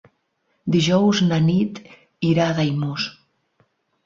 Dijous na Nit irà a Daimús.